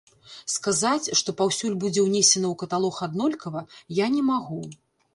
Сказаць, што паўсюль будзе ўнесена ў каталог аднолькава, я не магу.